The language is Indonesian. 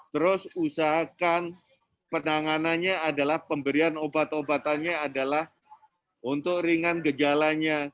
terus usahakan penanganannya adalah pemberian obat obatannya adalah untuk ringan gejalanya